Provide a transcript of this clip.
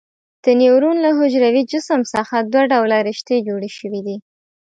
د نیورون له حجروي جسم څخه دوه ډوله رشتې جوړې شوي دي.